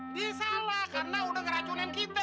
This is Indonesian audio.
dia salah karena udah ngeracunin kita